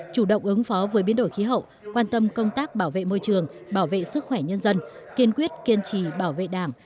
chủ động ứng phó với biến đổi khí hậu quan tâm công tác bảo vệ môi trường bảo vệ sức khỏe nhân dân kiên quyết kiên trì bảo vệ đảng